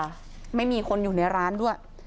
ไม่มีคนอยู่ในร้านด้วย